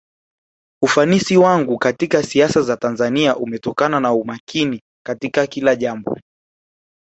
ufanisi wangu katika siasa za tanzania umetokana na umakini katika kila jambo